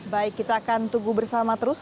baik kita akan tunggu bersama terus